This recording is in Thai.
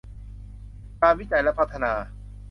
การวิจัยและพัฒนา